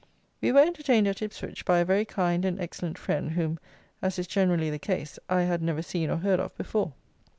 We were entertained at Ipswich by a very kind and excellent friend, whom, as is generally the case, I had never seen or heard of before.